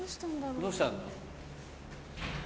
どうしたんだろう？